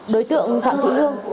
đối tượng phạm thị hương